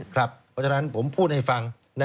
เพราะฉะนั้นผมพูดให้ฟัง